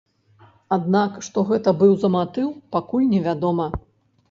Аднак што гэта быў за матыў, пакуль не вядома.